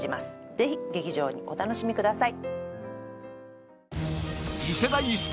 ぜひ劇場にお楽しみください